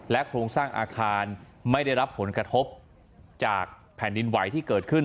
โครงสร้างอาคารไม่ได้รับผลกระทบจากแผ่นดินไหวที่เกิดขึ้น